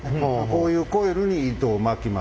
こういうコイルに糸を巻きます。